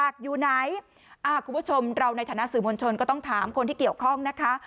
คุณผู้ชมเราในฐานะสื่อมวลชนก็ต้องถามคนที่เกี่ยวข้องนะคะ